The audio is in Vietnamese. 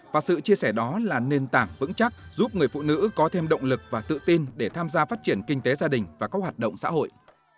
và sự chia sẻ đó là nền tảng vững chắc giúp người phụ nữ có thêm động lực và tự tin để tham gia phát triển kinh tế gia đình và các hoạt động xã hội